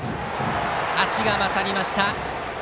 足が勝りました。